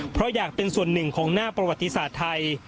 เพราะอยากเป็นส่วนหนึ่งของหน้าประวัติศาสตร์ไทย